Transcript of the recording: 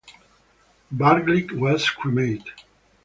Barlick was cremated.